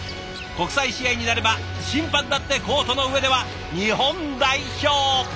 国際試合になれば審判だってコートの上では「日本代表」。